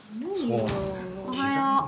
おはよう。